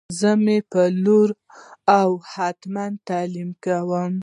زه می پر لور او هتمن تعلیم کوم